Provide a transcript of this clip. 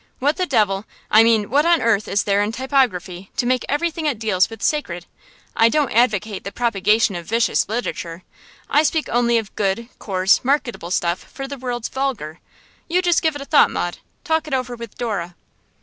What the devil I mean what on earth is there in typography to make everything it deals with sacred? I don't advocate the propagation of vicious literature; I speak only of good, coarse, marketable stuff for the world's vulgar. You just give it a thought, Maud; talk it over with Dora.